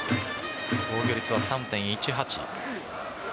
防御率は３．１８。